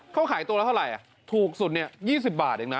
เขาขายตัวละเท่าไหร่ถูกสุดเนี่ย๒๐บาทเองนะ